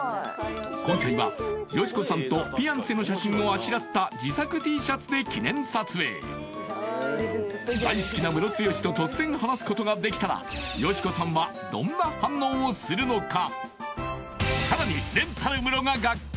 今回は佳子さんとフィアンセの写真をあしらった自作Ｔシャツで記念撮影大好きなムロツヨシと突然話すことができたら佳子さんはどんな反応をするのか！？